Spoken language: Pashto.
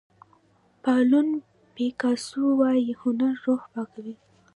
پابلو پیکاسو وایي هنر روح پاکوي.